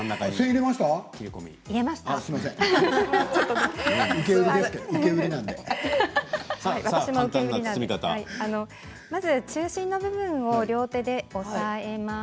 まず中心の部分を両手で押さえます。